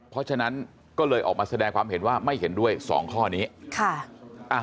เพราะฉะนั้นก็เลยออกมาแสดงความเห็นว่าไม่เห็นด้วยสองข้อนี้ค่ะ